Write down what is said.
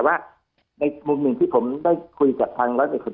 แต่ว่าอีกมุมที่ผมได้คุยกับทางร้อยเบสธราน